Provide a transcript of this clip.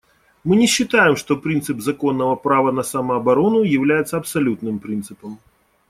Мы не считаем, что принцип законного права на самооборону является абсолютным принципом.